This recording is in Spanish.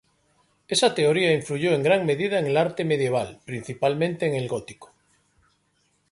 Esta teoría influyó en gran medida en el arte medieval, principalmente el gótico.